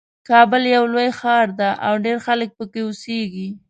کابل یو لوی ښار ده او ډېر خلک پکې اوسیږي